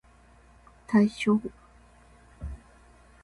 対象